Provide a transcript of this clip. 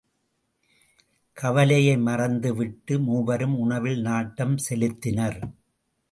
கவலையை மறந்துவிட்டு மூவரும் உணவில் நாட்டம் செலுத்தினர்.